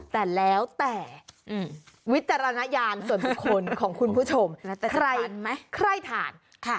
แต่แล้วแต่อืมวิจารณญาณส่วนทุกคนของคุณผู้ชมใครใครถ่านค่ะ